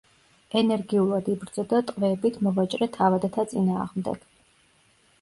ენერგიულად იბრძოდა ტყვეებით მოვაჭრე თავადთა წინააღმდეგ.